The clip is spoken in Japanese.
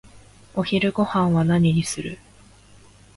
お昼ごはんは何にする？